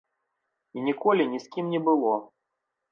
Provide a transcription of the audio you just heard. І ніколі ні з кім не было.